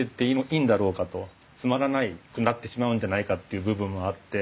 つまらなくなってしまうんじゃないかっていう部分もあって。